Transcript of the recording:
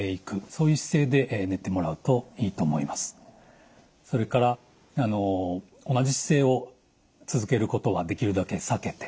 それから同じ姿勢を続けることはできるだけ避けて時々姿勢を変える。